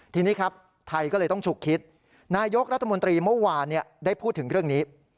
ทีนี้ครับไทยก็เลยต้องฉุกคิดนายกรัฐมนตรีเมื่อวานได้พูดถึงเรื่องนี้